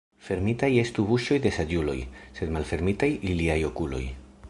Fermitaj estu buŝoj de saĝuloj, sed malfermitaj iliaj okuloj.